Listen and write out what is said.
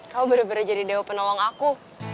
kamu bener bener jadi dewa penolong aku